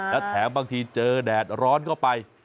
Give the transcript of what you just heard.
แถวบางทีเจอแดดร้อนเข้าไป